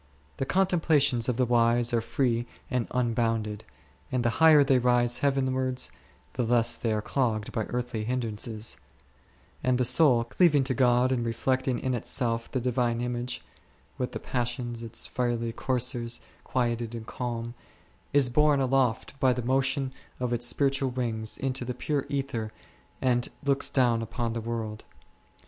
The contemplations of the wise are free and un bounded, and the higher they rise heavenwards, the less are they clogged by earthly hindrances ; and the soul, cleaving to God and reflecting in itself the Divine image (with the passions, its fiery coursers, quieted and calm), is borne aloft by the motion of its spiritual wings into the pure ether and looks down upon the world.